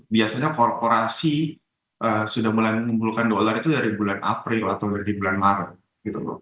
biasanya korporasi sudah mulai mengumpulkan dolar itu dari bulan april atau dari bulan maret gitu loh